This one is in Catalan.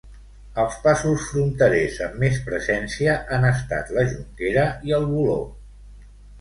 Els passos fronterers amb més presència han estat la Jonquera i el Voló.